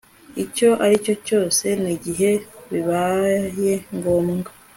icyo ari cyo cyose n igihe bibaye ngombwa